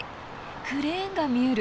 クレーンが見える。